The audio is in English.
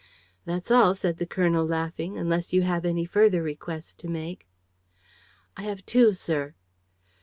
"That's all," said the colonel, laughing. "Unless you have any further request to make." "I have two, sir."